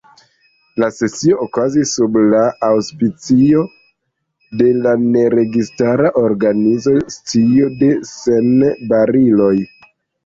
La sesio okazis sub la aŭspicio de la Ne Registara Organizo Scio Sen Bariloj.